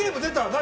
何？